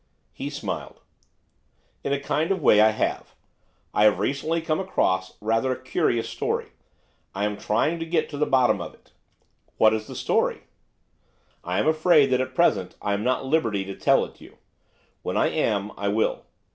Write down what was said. He smiled. 'In a kind of a way I have. I have recently come across rather a curious story; I am trying to get to the bottom of it.' 'What is the story?' 'I am afraid that at present I am not at liberty to tell it you; when I am I will.